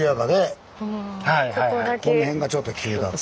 この辺がちょっと急だと。